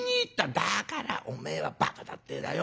「だからおめえはばかだってえだよ。